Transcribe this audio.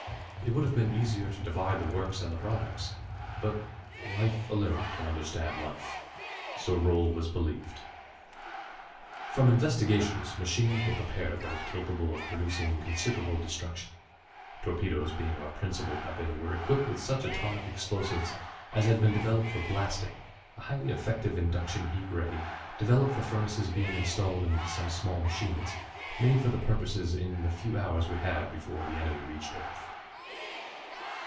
It would have been easier to divide the works and the products. But life alone can understand life, so Roal was believed. From investigations, machines were prepared that were capable of producing considerable destruction. Torpedoes, being our principal weapon, were equipped with such atomic explosives as had been developed for blasting, a highly effective induction heat ray developed for furnaces being installed in some small machines made for the purpose in the few hours we had before the enemy reached Earth.